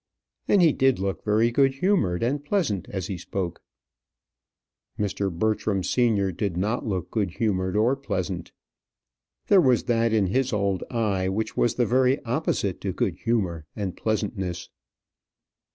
And he did look very good humoured and pleasant as he spoke. Mr. Bertram senior did not look good humoured or pleasant. There was that in his old eye which was the very opposite to good humour and pleasantness.